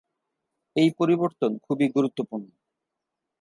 এই পরিবর্তন খুবই গুরুত্বপূর্ণ।